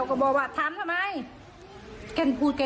นักข่าวเราคุยกับป้าลินะครับป้าลิเนี่ยก็เล่าให้ฟังนะครับ